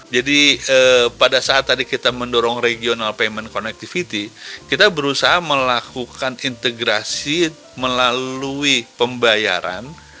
jadi pada saat tadi kita mendorong regional payment connectivity kita berusaha melakukan integrasi melalui pembayaran